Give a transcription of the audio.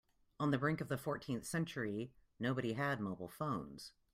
On the brink of the fourteenth century, nobody had mobile phones.